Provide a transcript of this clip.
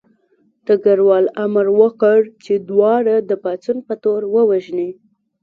ډګروال امر وکړ چې دواړه د پاڅون په تور ووژني